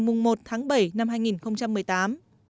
cảm ơn các bạn đã theo dõi và hẹn gặp lại